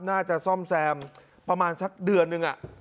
น่าจะซ่อมแซมประมาณสักเดือนนึง